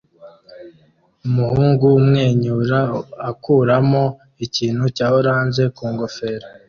Umuhungu umwenyura akuramo ikintu cya orange ku ngofero